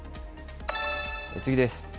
次です。